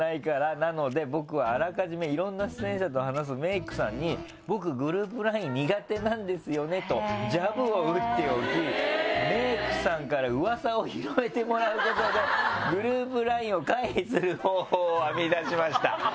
「なので僕はあらかじめ色んな出演者と話すメイクさんに『僕グループＬＩＮＥ苦手なんですよね』とジャブを打っておきメイクさんから噂を広めてもらうことでグループＬＩＮＥを回避する方法を編み出しました」。